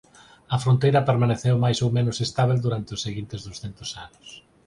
A fronteira permaneceu máis ou menos estábel durante os seguintes douscentos anos.